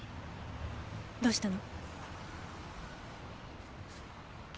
どうしたの？